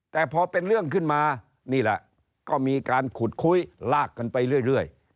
แต่พอเป็นเรื่องขึ้นมานี่แหละก็มีการขุดคุยลากกันไปเรื่อย